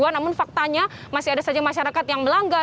namun faktanya masih ada saja masyarakat yang melanggar